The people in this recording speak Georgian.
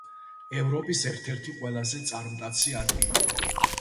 ევროპის ერთ-ერთი ყველაზე წარმტაცი ადგილი.